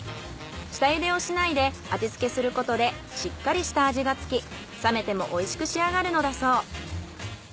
下茹でをしないで味付けすることでしっかりした味がつき冷めてもおいしく仕上がるのだそう。